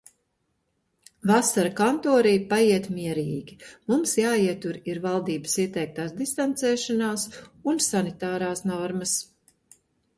Vasara kantorī paiet mierīgi. Mums jāietur ir valdības ieteiktās distancēšanās un sanitārās normas.